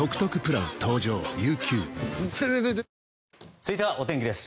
続いては、お天気です。